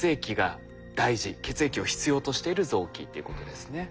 血液を必要としている臓器っていうことですね。